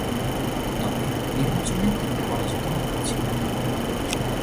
তবে নির্বাচনে তিনি পরাজিত হয়েছিলেন।